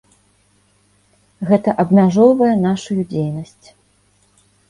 Гэта абмяжоўвае нашую дзейнасць.